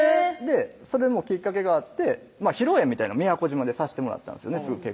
それもきっかけがあって披露宴みたいなん宮古島でさしてもらったんですね